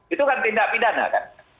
itu kan tindak pidana kan